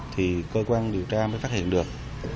thì cơ quan điều tra mới phát hiện được